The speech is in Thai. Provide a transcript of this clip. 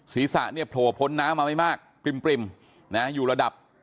ศีรษะเนี่ยโผล่พ้นน้ำมาไม่มากปริ่มนะอยู่ระดับ